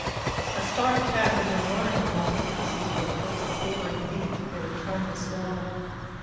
A starved cat had been worrying them all for pieces of the purple quivering beef they were trying to swallow.